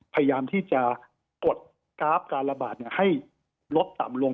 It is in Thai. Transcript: พยายามที่จะกดกราฟการระบาดให้ลดต่ำลง